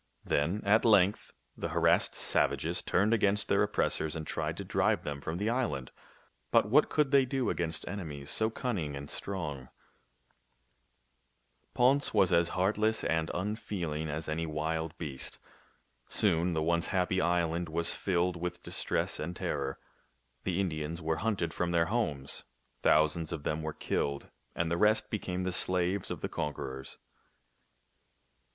Then at length the har assed savages turned, against their oppiressdrs and tried to drive them from the island ; but what could they do against enemies so cunning and strong ? THE FOUNTAIN OF YOUTH 25 Ponce was as heartless and unfeeling as any wild beast. Soon the once happy island was filled with distress and terror. The Indians were hunted from their homes. Thousands of them were killed, and the rest became the slaves of their conquerors.